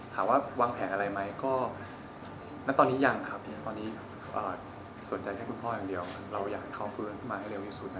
ถามว่าวางแผนอะไรไหมก็ณตอนนี้ยังครับเพียงตอนนี้สนใจแค่คุณพ่ออย่างเดียวเราอยากให้เขาฟื้นขึ้นมาให้เร็วที่สุด